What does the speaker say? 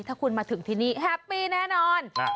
ถ้าคุณมาถึงที่นี่แฮปปี้แน่นอน